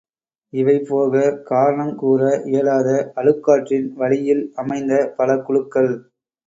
இவைபோக காரணங் கூற இயலாத அழுக்காற்றின் வழியில் அமைந்த பல குழுக்கள்!